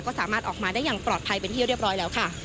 ก็สามารถออกมาได้อย่างปลอดภัยเป็นที่เรียบร้อยแล้วค่ะ